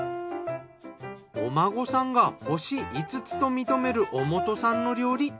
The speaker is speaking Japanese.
お孫さんが星５つと認める小本さんの料理。